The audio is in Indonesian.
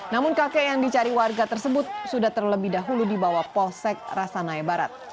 namun kakek yang dicari warga tersebut sudah terlebih dahulu dibawa posek rasanaya barat